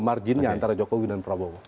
marginnya antara jokowi dan prabowo